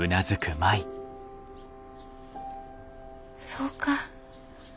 そうか。